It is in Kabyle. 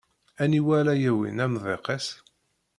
Aniwa ara yawin amḍiq-is?